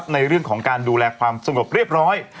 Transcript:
ในเรื่องของการดูแลความสงบเรียบร้อย